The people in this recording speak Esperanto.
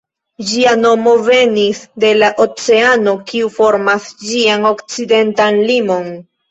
Ĝia nomo venis de la oceano, kiu formas ĝian okcidentan limon.